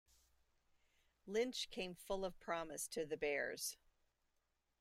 Lynch came full of promise to the Bears.